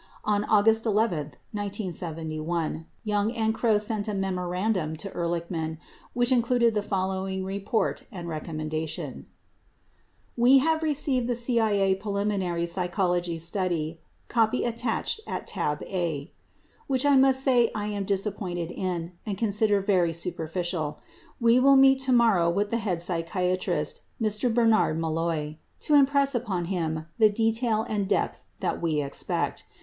On August 11, 1971, Young and Krogh sent a memorandum to Ehrlichman which included the following report and recommenda tion : We have received the CIA preliminary psychology study (copy attached at Tab A) which I must say I am disappointed in and consider very superficial. We will meet tomorrow with the head psychiatrist, Mr. Bernard Malloy, to impress upon him the detail and depth that we expect.